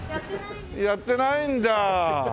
やってないんだ。